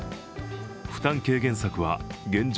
負担軽減策は現状